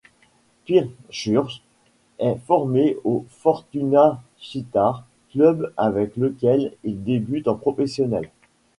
Perr Schuurs est formé au Fortuna Sittard, club avec lequel il débute en professionnel.